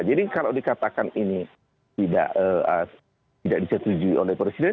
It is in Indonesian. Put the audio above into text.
jadi kalau dikatakan ini tidak disetujui oleh presiden